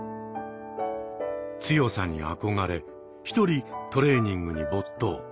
強さに憧れ一人トレーニングに没頭。